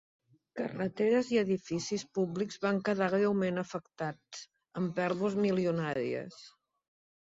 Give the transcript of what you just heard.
Carreteres i edificis públics van quedar greument afectats, amb pèrdues milionàries.